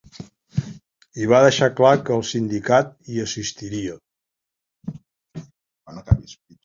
I va deixar clar que el sindicat hi assistiria.